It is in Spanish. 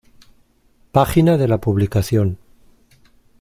Página de la publicación